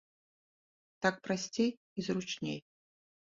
Так прасцей і зручней.